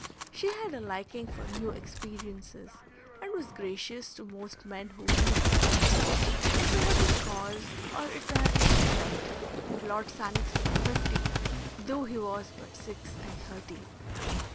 She had a liking for new experiences, and was gracious to most men who wooed her. It may have been cause or it may have been effect that Lord Sannox looked fifty, though he was but six and thirty.